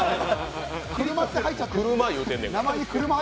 クルマって入っちゃってる。